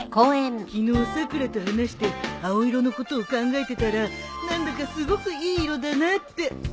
昨日さくらと話して青色のことを考えてたら何だかすごくいい色だなって。